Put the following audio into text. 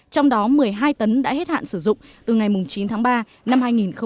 trong đó một mươi hai tấn đã hết hạn sử dụng từ ngày chín tháng ba năm hai nghìn hai mươi